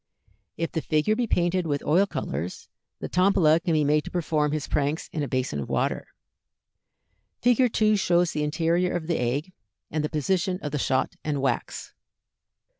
If the figure be painted with oil colors, the Tombola can be made to perform his pranks in a basin of water. Fig. 2 shows the interior of the egg and the position of the shot and wax.